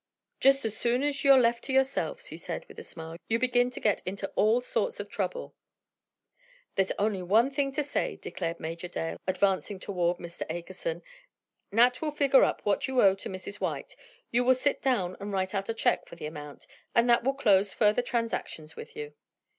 "Just as soon as you're left to yourselves," he said with a smile, "you begin to get into all sorts of trouble!" "There is only one thing to say," declared Major Dale, advancing toward Mr. Akerson. "Nat will figure up what you owe to Mrs. White, you will sit down and write out a check for the amount, and that will close further transactions with you!"